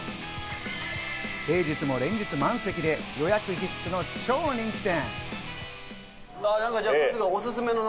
平日も連日満席で予約必須の超人気店。